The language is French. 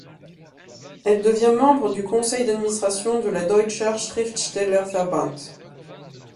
Elle devient membre du conseil d'administration de la Deutscher Schriftstellerverband.